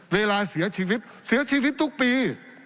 เวลาเสียชีวิตเสียชีวิตทุกปี